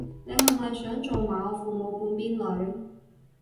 你係咪想做埋我父母半邊女